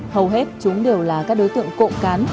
hầu hết chúng đều là các đối tượng cộng cán